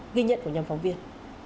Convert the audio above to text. ghi nhận của nhóm phóng viên